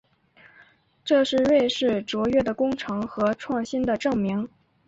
这是瑞士卓越的工程和创新的证明。